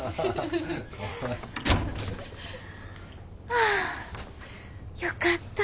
はあよかった。